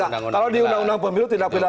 kalau di undang undang pemilu tidak ada